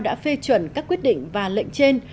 đã phê chuẩn các quyết định và lệnh trên